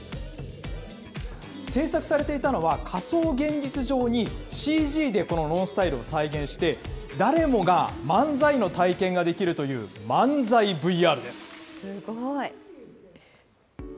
制作されていたのは、仮想現実上に、ＣＧでこのＮＯＮＳＴＹＬＥを再現して、誰もが漫才の体験ができるという漫才ＶＲすごい。